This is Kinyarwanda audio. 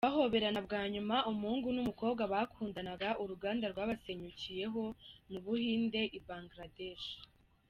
Bahoberana bwanyuma umuhungu n'umukobwa bakundanaga uruganda rwabasenyukiye ho mu Buhinde i Bangladesh.